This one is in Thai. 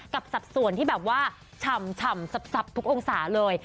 สัดส่วนที่แบบว่าฉ่ำสับทุกองศาเลย